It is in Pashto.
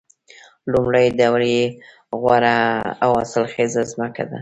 لومړی ډول یې یوه غوره او حاصلخیزه ځمکه ده